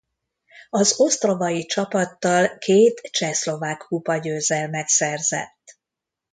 Az ostravai csapattal két csehszlovák kupa-győzelmet szerzett.